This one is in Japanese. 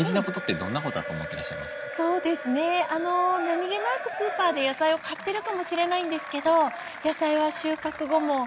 何気なくスーパーで野菜を買ってるかもしれないんですけど野菜は収穫後も生きてます。